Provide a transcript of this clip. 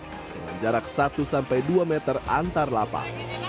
dengan jarak satu sampai dua meter antar lapak